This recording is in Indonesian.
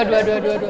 aduh aduh aduh aduh